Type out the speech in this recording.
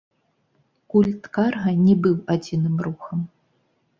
Культ карга не быў адзіным рухам.